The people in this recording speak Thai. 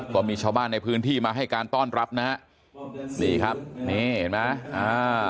ก็มีชาวบ้านในพื้นที่มาให้การต้อนรับนะฮะนี่ครับนี่เห็นไหมอ่า